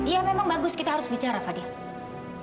ya memang bagus kita harus bicara fadil